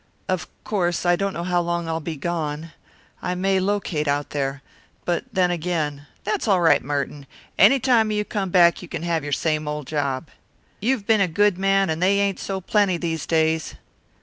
"Of course, I don't know how long I'll be gone. I may locate out there. But then again " "That's all right, Merton. Any time you come back you can have your same old job. You've been a good man, and they ain't so plenty these days."